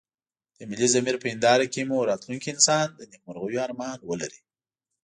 د ملي ضمير په هنداره کې مو راتلونکی انسان د نيکمرغيو ارمان ولري.